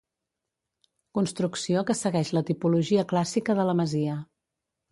Construcció que segueix la tipologia clàssica de la masia.